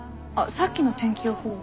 さっきの天気予報は。